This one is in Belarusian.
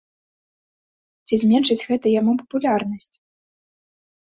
Ці зменшыць гэта яму папулярнасць?